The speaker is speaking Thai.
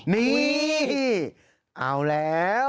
นี่เอาแล้ว